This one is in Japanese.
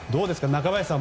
中林さん